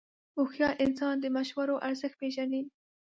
هوښیار انسان د مشورو ارزښت پېژني.